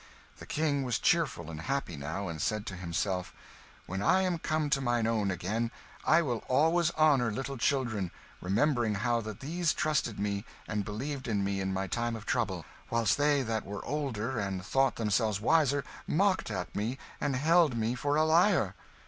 The King was cheerful and happy now, and said to himself, "When I am come to mine own again, I will always honour little children, remembering how that these trusted me and believed in me in my time of trouble; whilst they that were older, and thought themselves wiser, mocked at me and held me for a liar."